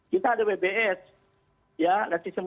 kita ada bbs